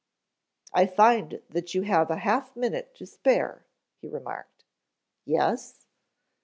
"I find that you have half a minute to spare," he remarked. "Yes?"